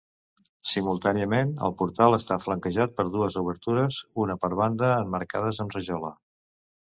Simultàniament, el portal està flanquejat per dues obertures, una per banda, emmarcades amb rajola.